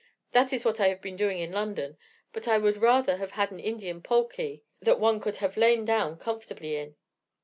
That is what I have been doing in London; but I would rather have had an Indian palkee, that one could have lain down comfortably in."